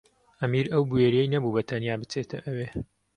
ئەمیر ئەو بوێرییەی نەبوو بەتەنیا بچێتە ئەوێ.